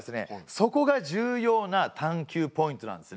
そこが重要な探究ポイントなんですね。